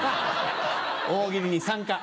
大喜利に参加。